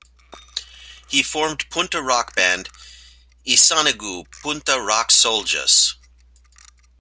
He formed punta rock band Isanigu Punta Rock Soul-Jahs.